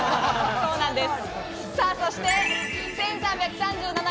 そうなんです。